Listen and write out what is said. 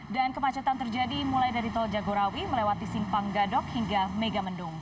dan kemacetan terjadi mulai dari tol jagorawi melewati singpang gadok hingga mega mendung